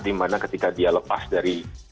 dimana ketika dia lepas dari